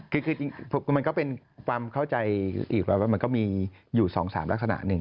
คือจริงมันก็เป็นความเข้าใจอีกว่ามันก็มีอยู่๒๓ลักษณะหนึ่ง